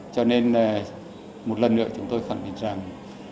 cho nên một lần nữa chúng tôi khẳng định rằng